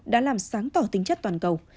đã làm sáng tỏ tính chất toàn cầu